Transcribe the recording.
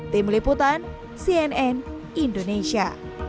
tim liputan cnn indonesia